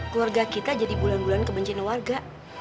keluarga kita jadi bulan bulan kebencian warga